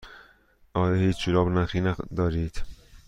آیا هیچ جوراب نخی دارید؟